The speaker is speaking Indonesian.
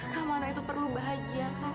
kak mano itu perlu bahagia kak